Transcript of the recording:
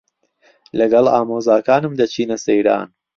لەگەڵ ئامۆزاکانم دەچینە سەیران.